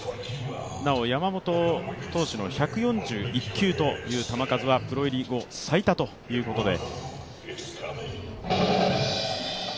なお、山本投手の１４１球という球数はプロ入り後最多ということです。